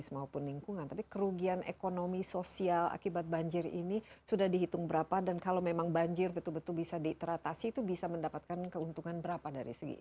maupun lingkungan tapi kerugian ekonomi sosial akibat banjir ini sudah dihitung berapa dan kalau memang banjir betul betul bisa diteratasi itu bisa mendapatkan keuntungan berapa dari segi